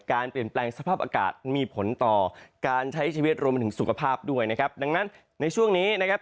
การเปลี่ยนแปลงสภาพอากาศมีผลต่อการใช้ชีวิตรวมมาถึงสุขภาพด้วยนะครับดังนั้นในช่วงนี้นะครับ